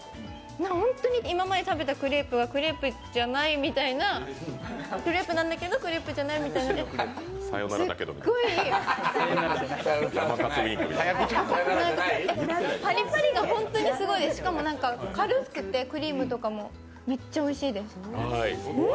本当に今まで食べたクレープがクレープじゃないみたいなクレープなんだけど、クレープじゃないみたいなすっごいパリパリがホントにすごいですしかもなんか軽くて、クリームとかもめっちゃおいしいです。